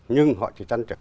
nhưng họ chỉ chăn trở